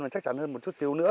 và chắc chắn hơn một chút xíu nữa